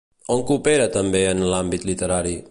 On coopera també en l'àmbit literari?